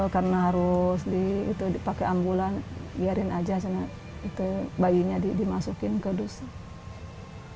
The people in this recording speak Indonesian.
karena harus dipakai ambulan biarin aja bayinya dimasukin ke dusun